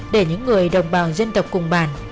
để những người đồng bào dân tộc cùng bản